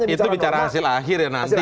itu bicara hasil akhir ya nanti